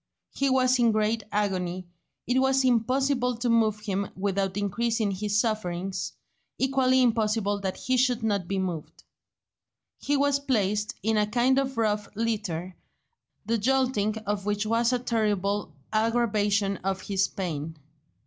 He was in great agony; it was impossible to move him without increasing his sufferings, equally impossible that he should not be moved. He was placed in a kind of rough litter, the jolting of which was a terrible aggravation of his pain.